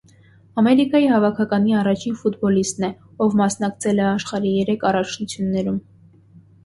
Ամերիկայի հավաքականի առաջին ֆուտբոլիստն է, ով մասնակցել է աշխարհի երեք առաջնություններում։